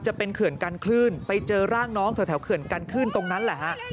เขื่อนกันคลื่นไปเจอร่างน้องแถวเขื่อนกันคลื่นตรงนั้นแหละฮะ